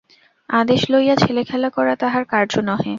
আদেশ লইয়া ছেলেখেলা করা তাঁহার কার্য নহে।